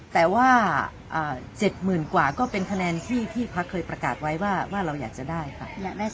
แต่ว่า๗๐กวไม่ก็เป็นแผงเขาเคยประกาศไว้ว่าเราอยากจะได้ค่ะ